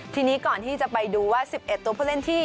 ทีนี้ก่อนที่จะไปดูว่า๑๑ตัวผู้เล่นที่